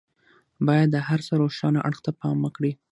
بايد د هر څه روښانه اړخ ته پام وکړي.